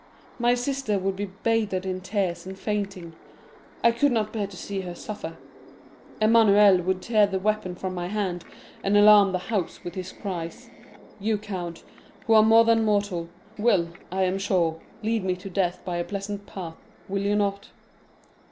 My sister would be bathed in tears and fainting; I could not bear to see her suffer. Emmanuel would tear the weapon from my hand, and alarm the house with his cries. You, count, who are more than mortal, will, I am sure, lead me to death by a pleasant path, will you not?"